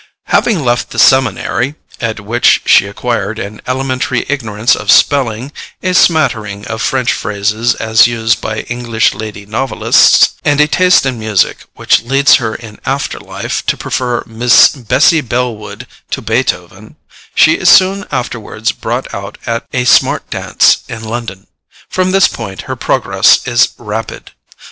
Having left the Seminary at which she acquired an elementary ignorance of spelling, a smattering of French phrases as used by English lady novelists, and a taste for music which leads her in after life to prefer Miss BESSIE BELLWOOD to BEETHOVEN, she is soon afterwards brought out at a smart dance in London. From this point her progress is rapid.